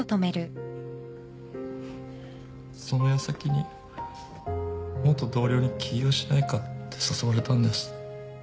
その矢先に元同僚に起業しないかって誘われたんです。